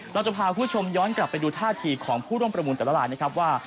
เราจะพาคุณผู้ชมย้อนกลับไปดูท่าทีของผู้ร่วมประมูลแต่ละลายนะครับว่า